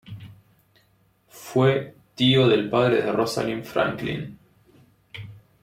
Fue tío del padre de Rosalind Franklin.